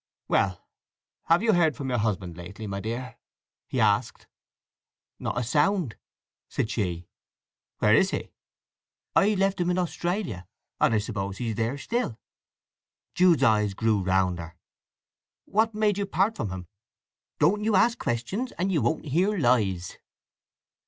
"Well, have you heard from your husband lately, my dear?" he asked. "Not a sound," said she. "Where is he?" "I left him in Australia; and I suppose he's there still." Jude's eyes grew rounder. "What made you part from him?" "Don't you ask questions, and you won't hear lies."